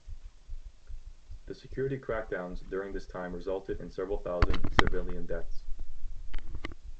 The security crackdowns during this time resulted in several thousand civilian deaths.